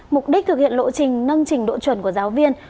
mục đích thực hiện lộ trình nâng trình độ chuẩn của giáo viên